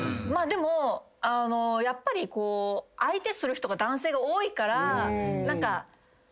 でもやっぱり相手する人が男性が多いから。